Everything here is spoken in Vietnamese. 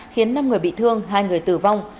khiến năm người bị thương hai người tử vong